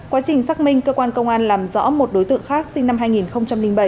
quá trình xác minh cơ quan công an làm rõ một đối tượng khác sinh năm hai nghìn bảy